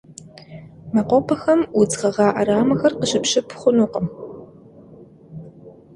МэкъупӀэхэм удз гъэгъа Ӏэрамэхэр къыщыпщып хъунукъым.